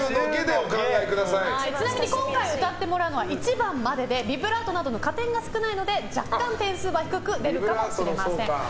ちなみに今回歌ってもらうのは１番まででビブラートなどの加点が少ないので若干点数は低く出るかもしれません。